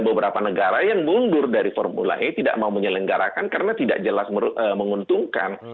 beberapa negara yang mundur dari formula e tidak mau menyelenggarakan karena tidak jelas menguntungkan